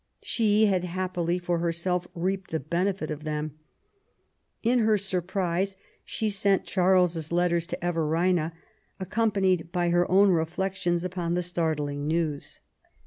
She had, happily for herself, reaped the benefit of them. In her surprise she sent Charles's letter to Everina^ accompanied by her own reflections upon the startling news.